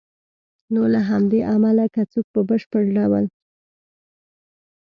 نو له همدې امله که څوک په بشپړ ډول